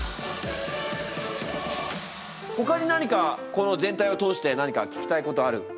ほかに何かこの全体を通して何か聞きたいことある人いるか？